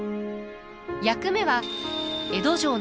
役目は江戸城の警護。